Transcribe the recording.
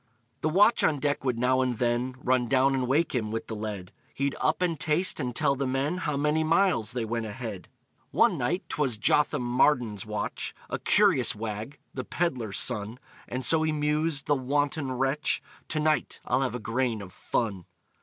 The watch on deck would now and then Run down and wake him, with the lead; He'd up, and taste, and tell the men How many miles they went ahead. One night, 'twas Jotham Marden's watch, A curious wag the peddler's son And so he mused (the wanton wretch), "To night I'll have a grain of fun.